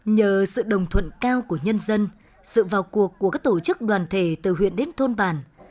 nhờ sự đồng thuận cao của nhân dân sự vào cuộc của các tổ chức đoàn thể từ huyện đến thôn bản